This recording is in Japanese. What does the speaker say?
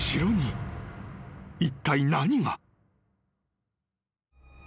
［いったい何が？］